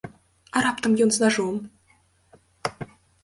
А раптам ён з нажом?